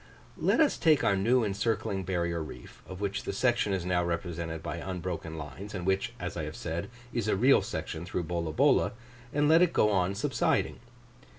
Let us take our new encircling barrier reef, of which the section is now represented by unbroken lines, and which, as I have said, is a real section through Bolabola, and let it go on subsiding.